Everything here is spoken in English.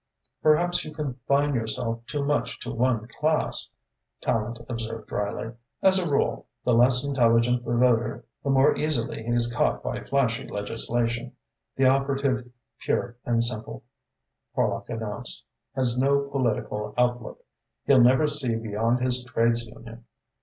"Perhaps you confine yourself too much to one class," Tallente observed drily. "As a rule, the less intelligent the voter, the more easily he is caught by flashy legislation." "The operative pure and simple," Horlock announced, "has no political outlook. He'll never see beyond his trades union.